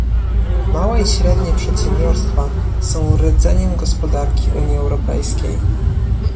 Małe i średnie przedsiębiorstwa są rdzeniem gospodarki Unii Europejskiej